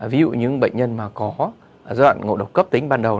ví dụ những bệnh nhân mà có dự đoạn ngộ độc cấp tính ban đầu